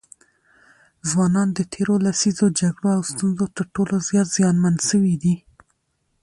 ځوانان د تېرو لسیزو جګړو او ستونزو تر ټولو زیات زیانمن سوي دي.